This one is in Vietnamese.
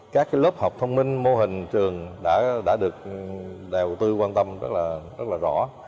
các lớp học thông minh mô hình trường đã được đầu tư quan tâm rất là rõ